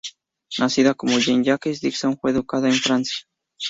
Nacida como Jean Jacques, Dixon fue educada en Francia.